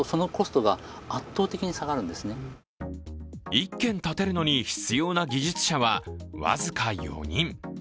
１軒建てるのに必要な技術者は僅か４人。